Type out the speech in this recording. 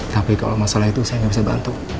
tapi kalau masalah itu saya nggak bisa bantu